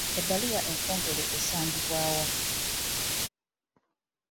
Ebbaluwa entongole esangibwa wa?